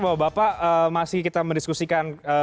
bapak bapak masih kita mendiskusikan